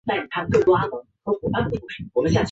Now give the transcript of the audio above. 蟋蟀雨蛙是美国东南部一种细小的树蟾。